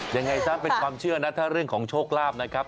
ยังไงซะเป็นความเชื่อนะถ้าเรื่องของโชคลาภนะครับ